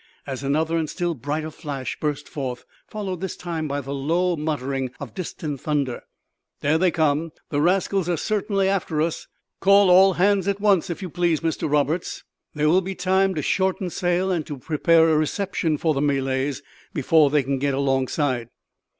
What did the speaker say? as another and still brighter flash burst forth, followed this time by the low muttering of distant thunder "there they come; the rascals are certainly after us! Call all hands at once, if you please, Mr Roberts; there will be time to shorten sail, and to prepare a reception for the Malays before they can get alongside."